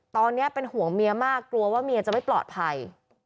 ตอนนี้เป็นห่วงเมียมากกลัวว่าเมียจะไม่ปลอดภัย